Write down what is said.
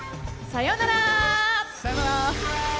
さよなら。